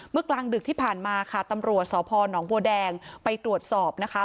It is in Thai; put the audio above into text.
กลางดึกที่ผ่านมาค่ะตำรวจสพนบัวแดงไปตรวจสอบนะคะ